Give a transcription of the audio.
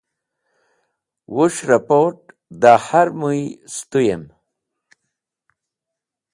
Wus̃h rapot̃ dẽ har mũy sẽtũyẽm.